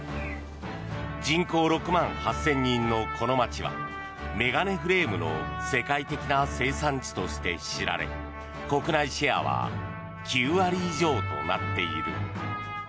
人口６万８０００人のこの街は眼鏡フレームの世界的な生産地として知られ国内シェアは９割以上となっている。